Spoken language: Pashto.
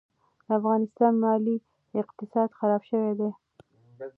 د افغانستان مالي اقتصاد خراب شوی دي.